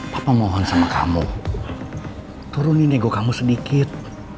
papa mohon sama kamu turunin nego kamu sedikit